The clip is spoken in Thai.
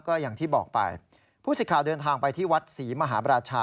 ก็อย่างที่บอกไปผู้สิทธิ์ข่าวเดินทางไปที่วัดศรีมหาบราชา